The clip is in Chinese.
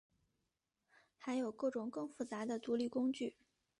还有各种更复杂的独立工具。